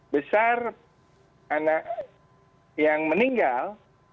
besar anak yang meninggal